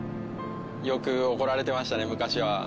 よく怒られてましたね昔は。